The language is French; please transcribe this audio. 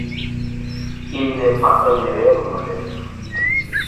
Il n'est pas un élève modèle.